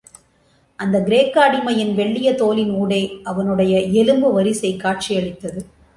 அந்தக் கிரேக்க அடிமையின் வெள்ளிய தோலின் ஊடே அவனுடைய எலும்பு வரிசை காட்சியளித்தது.